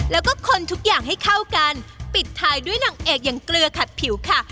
แล้วก็คนทุกอย่างให้เข้ากันปิดท้ายด้วยนางเอกอย่างเกลือขัดผิวค่ะ